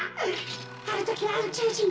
あるときはうちゅうじん。